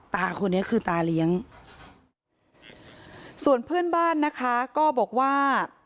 ตาคนนี้คือตาเลี้ยงส่วนเพื่อนบ้านนะคะก็บอกว่า